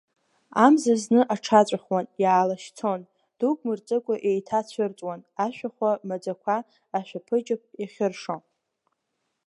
Амза зны аҽаҵәахуан, иаалашьцон, дук мырҵыкәа еиҭаацәырҵуан ашәахәа маӡақәа ашәаԥыџьаԥ иахьыршо.